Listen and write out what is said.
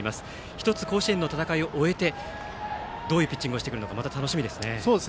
１つ、甲子園の戦いを終えてどういうピッチングをしてくるかまた楽しみですね。